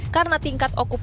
karena tingkat okupasi